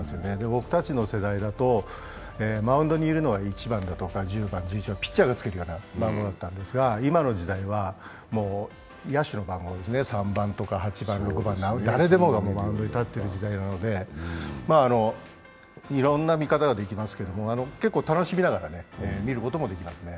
僕たちの世代だと、マウンドにいるのは１番だとか１０番、１１番、ピッチャーがつけるような番号だったんですが、今の時代は野手の番号ですか３番、８番、６番、誰でもがマウンドに立っている時代なのでいろんな見方ができますけども、結構楽しみながら見ることもできますね。